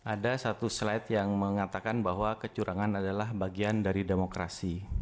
ada satu slide yang mengatakan bahwa kecurangan adalah bagian dari demokrasi